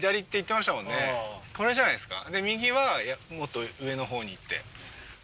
これじゃないですか？